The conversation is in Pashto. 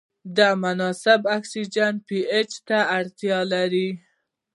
د مناسب اکسیجن او پي اچ ته اړتیا لري.